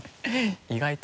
意外と。